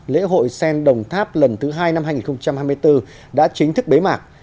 lễ hội sen đồng tháp lần thứ hai năm hai nghìn hai mươi bốn đã chính thức bế mạc